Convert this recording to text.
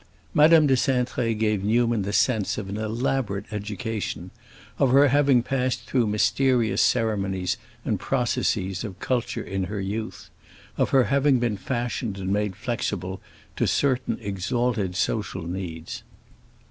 Madame de Cintré gave Newman the sense of an elaborate education, of her having passed through mysterious ceremonies and processes of culture in her youth, of her having been fashioned and made flexible to certain exalted social needs.